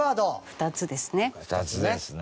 ２つですね。